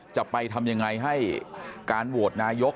จะไปทำยังไงให้การโหวตนายก